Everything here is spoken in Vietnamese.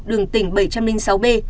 đường tỉnh bảy trăm linh sáu b